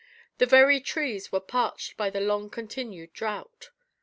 The very trees were parched by the long continued drought.